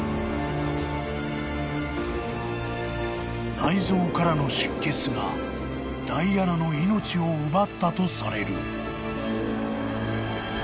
［内臓からの出血がダイアナの命を奪ったとされる］